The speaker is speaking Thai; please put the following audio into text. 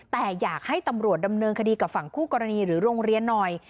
แต่อยากให้ตำรวจดำเนินคดีกับฝั่งคู่กรณีหรือโรงเรียนหน่อย